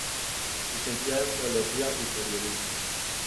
Licenciado en teología y periodismo.